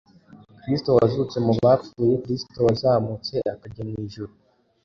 Kristo wazutse mu bapfuye, Kristo wazamutse akajya mu ijuru.